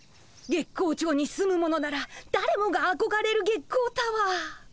月光町に住む者ならだれもがあこがれる月光タワー。